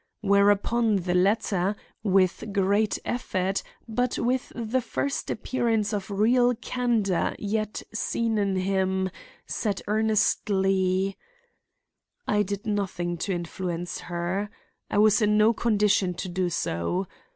Whereupon the latter, with great effort, but with the first appearance of real candor yet seen in him, said earnestly: "I did nothing to influence her. I was in no condition to do so.